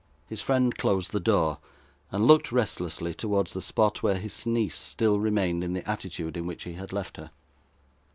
His friend closed the door, and looked restlessly towards the spot where his niece still remained in the attitude in which he had left her.